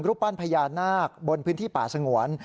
รูปปั้นพญานาคบนพื้นที่ป่าสงวน